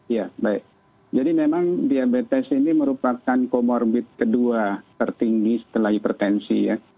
ya baik jadi memang diabetes ini merupakan comorbid kedua tertinggi setelah hipertensi ya